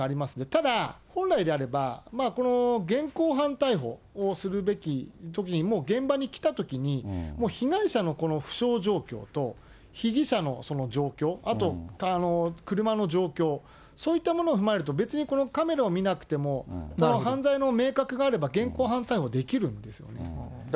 ただ、本来であれば、この現行犯逮捕をするべきときに、もう現場に来たときに、もう被害者のこの負傷状況と、被疑者のその状況、あと車の状況、そういったものを踏まえると、別にこのカメラを見なくても、犯罪の明確があれば現行犯逮捕できるんですよね。